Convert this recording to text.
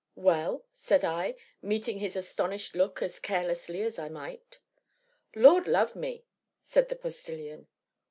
"Well?" said I, meeting his astonished look as carelessly as I might. "Lord love me!" said the Postilion.